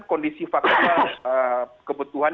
kondisi faktor kebutuhan